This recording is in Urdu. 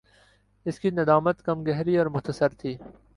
اس کی ندامت کم گہری اور مختصر تھِی